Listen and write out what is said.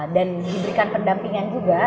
dan diberikan pendampingan juga